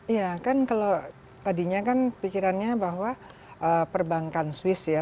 iya kan kalau tadinya kan pikirannya bahwa perbankan swiss ya